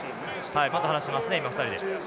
また話してますね２人で。